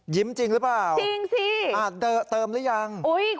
ยิ้มจริงหรือเปล่าอ่าเติมหรือยังจริงสิ